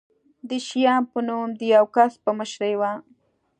د شیام په نوم د یوه کس په مشرۍ و.